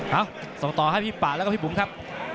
เอ้าส่งต่อให้พี่ป่าแล้วก็พี่บุ๋มครับ